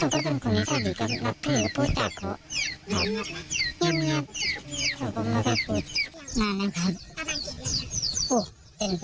ส่วนผมไม่ได้พูดนานแล้วครับ